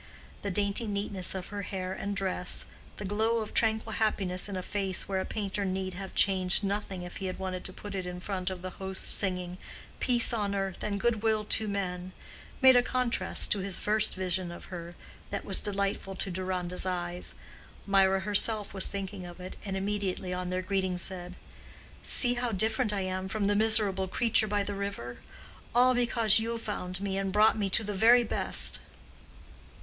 The dainty neatness of her hair and dress, the glow of tranquil happiness in a face where a painter need have changed nothing if he had wanted to put it in front of the host singing "peace on earth and good will to men," made a contrast to his first vision of her that was delightful to Deronda's eyes. Mirah herself was thinking of it, and immediately on their greeting said, "See how different I am from the miserable creature by the river! all because you found me and brought me to the very best."